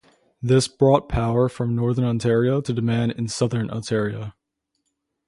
This brought power from northern Ontario to demand in southern Ontario.